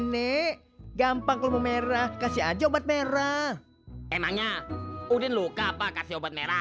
nek gampang merah kasih aja obat merah emangnya udin luka apa kasih obat merah